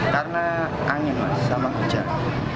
karena angin mas sama hujan